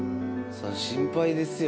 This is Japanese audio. そら心配ですよ。